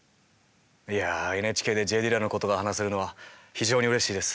いやＮＨＫでＪ・ディラのことが話せるのは非常にうれしいです。